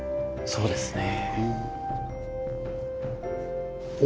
そうですね。